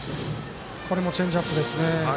これもチェンジアップです。